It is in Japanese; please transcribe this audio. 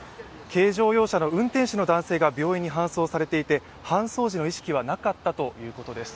軽乗用車の運転手の男性が病院に搬送されていて搬送時の意識はなかったということです。